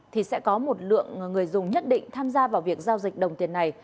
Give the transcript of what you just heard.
thì sẽ có một lượng người dùng nhất định tham gia vào việc giao dịch đồng tiền này